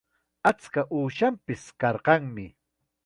Achka uushanpis karqanmi.